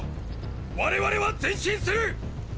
我々は前進する！！